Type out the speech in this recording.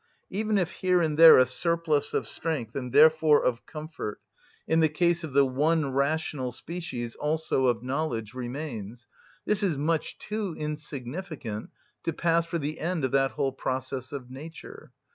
Even if here and there a surplus of strength, and therefore of comfort—in the case of the one rational species also of knowledge—remains, this is much too insignificant to pass for the end of that whole process of nature.